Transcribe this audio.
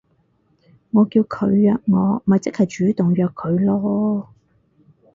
我叫佢約我咪即係主動約佢囉